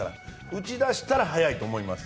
打ち出したら早いと思います。